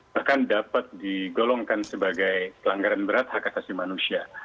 bahkan dapat digolongkan sebagai pelanggaran berat hak asasi manusia